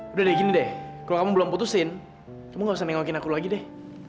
udah deh gini deh kalau kamu belum putusin kamu gak usah nengokin aku lagi deh